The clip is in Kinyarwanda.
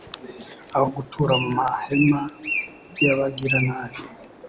aho gutura mu mahema y’abagiranabi